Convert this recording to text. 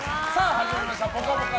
始まりました「ぽかぽか」